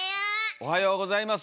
おはようございます。